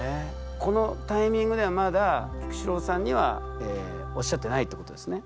このタイミングではまだ菊紫郎さんにはおっしゃってないってことですね？